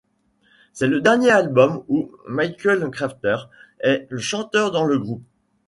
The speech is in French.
C'est le dernier album ou Michael Crafter est chanteur dans le groupe.